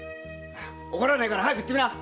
怒らねえから早く言ってみな！